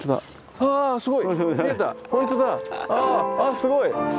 あすごい。